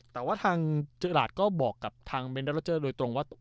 แต่ว่าทางเจอราชก็บอกกับทางเจอราชโดยตรงว่า